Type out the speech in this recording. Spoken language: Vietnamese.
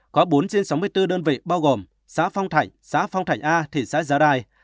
có bốn trên sáu mươi bốn đơn vị bao gồm xã phong thạnh xã phong thạnh a thị xã giá rai